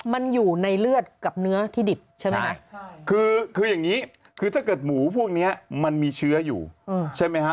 มันอยู่ในเลือดกับเนื้อที่ดิบใช่ไหมคะคือคืออย่างนี้คือถ้าเกิดหมูพวกเนี้ยมันมีเชื้ออยู่ใช่ไหมฮะ